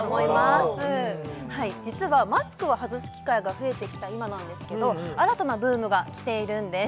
おおはい実はマスクを外す機会が増えてきた今なんですけど新たなブームが来ているんです